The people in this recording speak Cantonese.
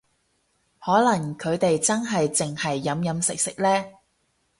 可能佢哋真係淨係飲飲食食呢